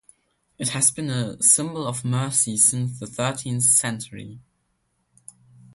It has been a symbol of mercy since the thirteenth century.